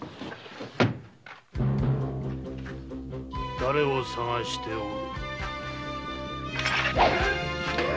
だれを捜しておる。